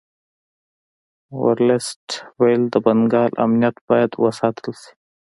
ورلسټ ویل د بنګال امنیت باید وساتل شي.